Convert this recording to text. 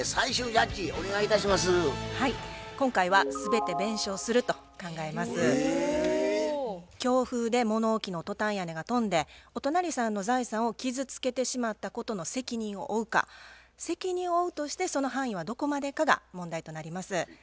今回は強風で物置のトタン屋根が飛んでお隣さんの財産を傷つけてしまったことの責任を負うか責任を負うとしてその範囲はどこまでかが問題となります。